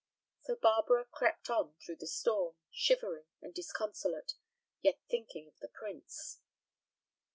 So Barbara crept on through the storm, shivering and disconsolate, yet thinking of the prince.